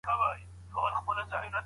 د تېرو کلونو د تاریخ مطالعه ولې مهمه ده؟